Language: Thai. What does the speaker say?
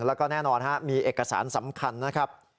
แล้วก็แน่นอนมีเอกสารสำคัญนะครับ